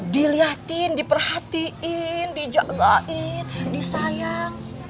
dilihatin diperhatiin dijagain disayang